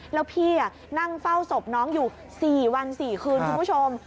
แล้วพี่นั่งเฝ้าศพน้องอยู่๔วัน๔คืนคุณผู้ชม